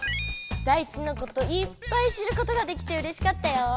ダイチのこといっぱい知ることができてうれしかったよ。